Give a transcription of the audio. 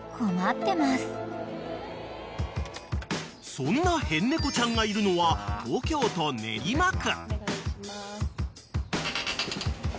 ［そんな変猫ちゃんがいるのは東京都練馬区］